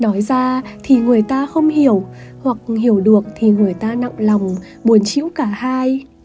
đói ra thì người ta không hiểu hoặc hiểu được thì người ta nặng lòng buồn chịu cả hai